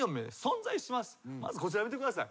こちら見てください。